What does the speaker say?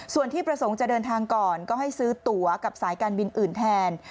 ส่วนที่ประสงค์จะเดินทางก่อนก็ให้ซื้อตัวกับสายการบินอื่นแทน